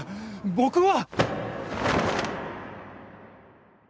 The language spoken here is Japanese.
僕は。